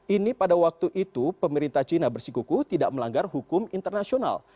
ini pada waktu itu pemerintah cina bersikuku tidak melanggar hukum internasional